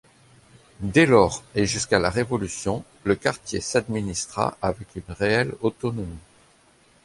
Dès lors, et jusqu'à la Révolution, le quartier s'administra avec une réelle autonomie.